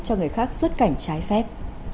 cho người khác xuất cảnh trái phép